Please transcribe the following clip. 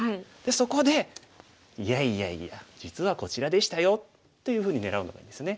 そこで「いやいやいや実はこちらでしたよ」というふうに狙うのがいいんですね。